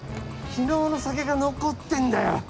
昨日の酒が残ってんだよ。